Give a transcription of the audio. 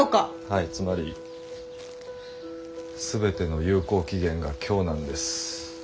はいつまり全ての有効期限が今日なんです。